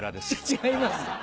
違います。